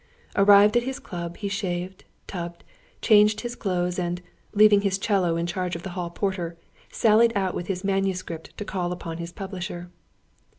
Arrived at his club he shaved, tubbed, changed his clothes, and, leaving his 'cello in charge of the hall porter, sallied out with his manuscript to call upon his publisher.